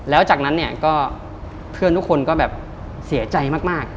แล้วจากนั้นเนี่ยก็เพื่อนทุกคนก็แบบเสียใจมาก